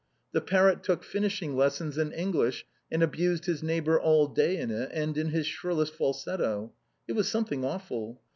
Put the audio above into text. The parrot took finishing lessons in English, and abused his neighbor all day in it, and in his shrillest falsetto. It was something awful.